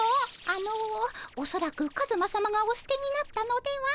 あのおそらくカズマさまがお捨てになったのでは。